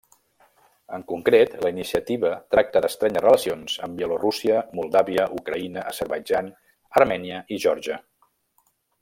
En concret la iniciativa tracta d'estrènyer relacions amb Bielorússia, Moldàvia, Ucraïna, Azerbaidjan, Armènia i Geòrgia.